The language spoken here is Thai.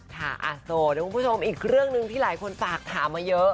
ถ้าโสดทุกคนผู้ชมอีกเรื่องนึงที่หลายคนฝากถามมาเยอะ